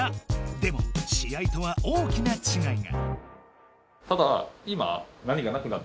でも試合とは大きなちがいが。